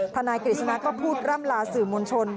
นายกฤษณะก็พูดร่ำลาสื่อมวลชน